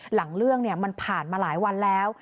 หลังเรื่องมันผ่านมาหลายวันแล้ว